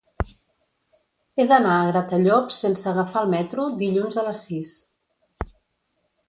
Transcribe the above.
He d'anar a Gratallops sense agafar el metro dilluns a les sis.